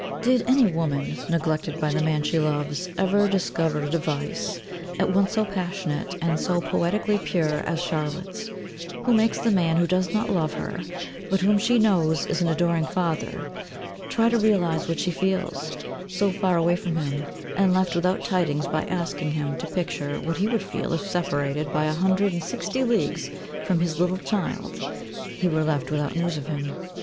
Did any woman, neglected by the man she loves, ever discover a device, at once so passionate, and so poetically pure as Charlotte's, who makes the man who does not love her, but whom she knows is an adoring father, try to realise what she feels, so far away from him, and left without tidings _by asking him to picture what he would feel if separated by a hundred and sixty leagues from his little child, he were left without news of him?